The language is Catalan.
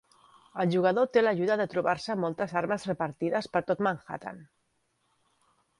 El jugador té l'ajuda de trobar-se moltes armes repartides per tot Manhattan.